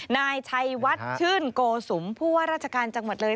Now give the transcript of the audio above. นายชัยวัดชื่นโกสุมผู้ว่าราชการจังหวัดเลย